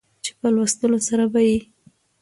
چې په لوستلو سره به يې